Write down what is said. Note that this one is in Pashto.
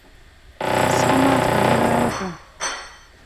سمه خبره وکړه.